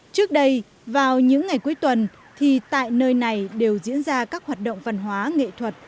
trước đây vào những ngày cuối tuần thì tại nơi này đều diễn ra các hoạt động văn hóa nghệ thuật